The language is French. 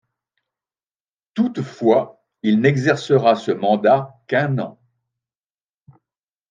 Toutefois, il n'exercera ce mandat qu'un an.